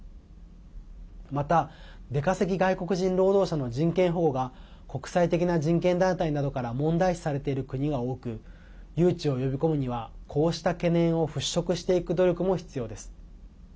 また、出稼ぎ外国人労働者の人権保護が国際的な人権団体などから問題視されている国が多く誘致を呼び込むにはこうした懸念を払拭していく努力も必要です。